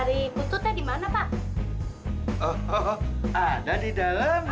itu di mana